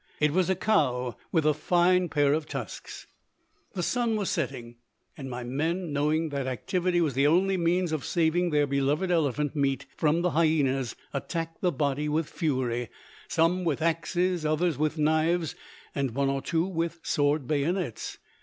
It was a cow with a fine pair of tusks. The sun was setting, and my men, knowing that activity was the only means of saving their beloved elephant meat from hyenas, attacked the body with fury some with axes, others with knives and one or two with sword bayonets.